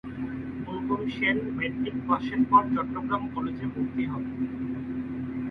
অনুপম Sen matric পাসের পর চট্টগ্রাম কলেজে ভর্তি হন।